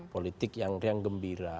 politik yang gembira